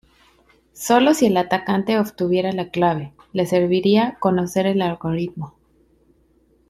Sólo si el atacante obtuviera la clave, le serviría conocer el algoritmo.